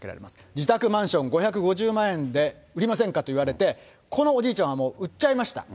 自宅マンション５５０万円で売りませんかと言われて、このおじいちゃんはもう売っちゃいました。